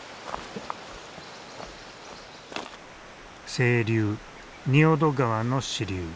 清流仁淀川の支流。